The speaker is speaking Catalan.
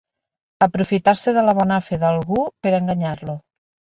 Aprofitar-se de la bona fe d'algú per a enganyar-lo.